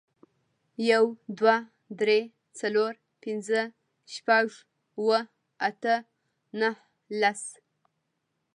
يو، دوه، درې، څلور، پينځه، شپږ، اووه، اته، نهه، لس